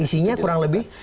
isinya kurang lebih